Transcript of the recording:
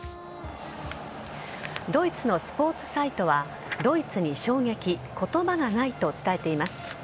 ドイツのスポーツサイトはドイツに衝撃言葉がないと伝えています。